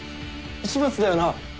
市松だよな？